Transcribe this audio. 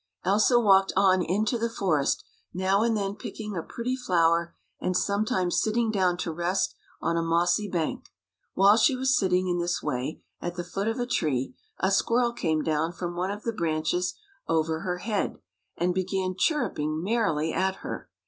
Elsa walked on into the forest, now and then picking a pretty flower, and sometimes sitting down to rest on a mossy bank. While she was sitting in this way at the foot of a tree, a squirrel came down from one of the branches over her head, and began chirruping merrily at her.